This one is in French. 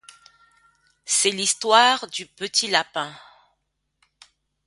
C'est l'histoire du petit lapin.